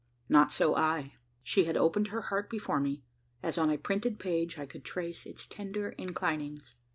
Not so I. She had opened her heart before me. As on a printed page, I could trace its tender inclinings.